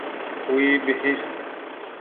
Wî bihîst.